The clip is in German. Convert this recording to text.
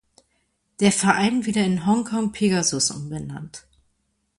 Der Verein wieder in Hongkong-Pegasus umbenannt.